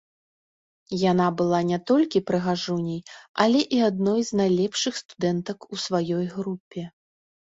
Яна была не толькі прыгажуняй, але і адной з найлепшых студэнтак у сваёй групе.